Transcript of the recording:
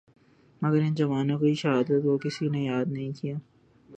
مگر ان جوانوں کی شہادت کو کسی نے یاد نہیں کیا